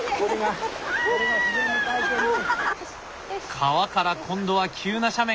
川から今度は急な斜面！